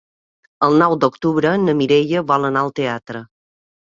El nou d'octubre na Mireia vol anar al teatre.